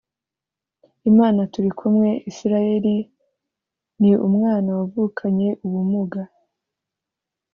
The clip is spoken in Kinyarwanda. Imanaturikumwe Israel ni umwana wavukanye ubumuga